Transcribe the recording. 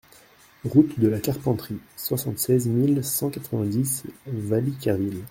Route de la Carpenterie, soixante-seize mille cent quatre-vingt-dix Valliquerville